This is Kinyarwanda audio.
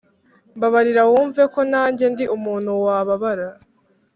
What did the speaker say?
mbabarira wumve ko nanjye ndi umuntu wababara